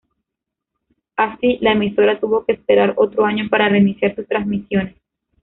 Así, la emisora tuvo que esperar otro año para reiniciar sus transmisiones.